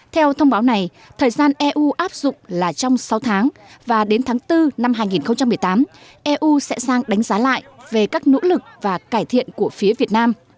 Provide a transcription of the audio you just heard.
theo thông báo này thời gian eu áp dụng là trong sáu tháng và đến tháng bốn năm hai nghìn một mươi tám eu sẽ sang đánh giá lại về các nỗ lực và cải thiện của phía việt nam